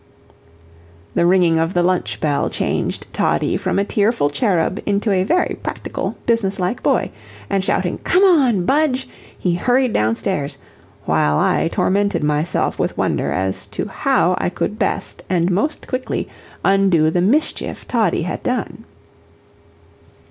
The ringing of the lunch bell changed Toddie from a tearful cherub into a very practical, business like boy, and shouting "Come on, Budge!" he hurried down stairs, while I tormented myself with wonder as to how I could best and most quickly undo the mischief Toddie had done.